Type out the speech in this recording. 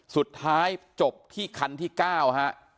สุดท้ายจบที่คันที่๙ฮะ